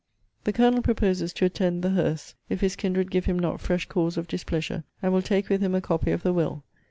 The Colonel proposes to attend the hearse, if his kindred give him not fresh cause of displeasure; and will take with him a copy of the will.